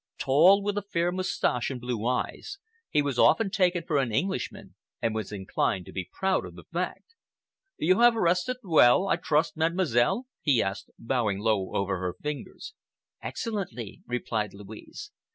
Tall, with a fair moustache and blue eyes, he was often taken for an Englishman and was inclined to be proud of the fact. "You have rested well, I trust, Mademoiselle?" he asked, bowing low over her fingers. "Excellently," replied Louise.